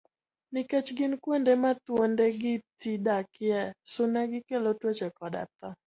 Nikech gin kuonde ma thuonde gi t dakie, suna gikelo tuoche koda tho.